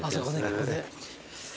ここで。